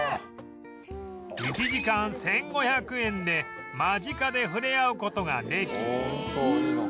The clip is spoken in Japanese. １時間１５００円で間近で触れ合う事ができ